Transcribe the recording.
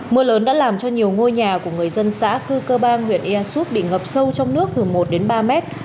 mưa lớn đã làm cho nhiều ngôi nhà của người dân xã cư cơ bang huyện ia súp bị ngập sâu trong nước từ một đến ba mét